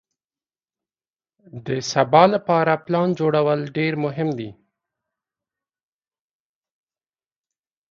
د سبا لپاره پلان جوړول ډېر مهم دي.